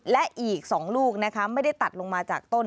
และอีก๒ลูกนะคะไม่ได้ตัดลงมาจากต้น